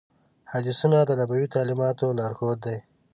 حدیثونه د نبوي تعلیماتو لارښود دي.